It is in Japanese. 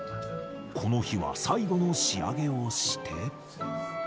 この日は最後の仕上げをして。